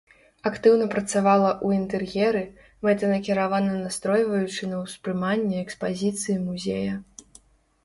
Актыўна працавала ў інтэр'еры, мэтанакіравана настройваючы на ўспрыманне экспазіцыі музея.